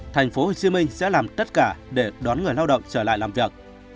tp hcm sẽ làm tất cả để đón người lao động trở lại làm việc